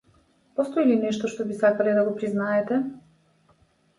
Постои ли нешто што би сакале да признаете?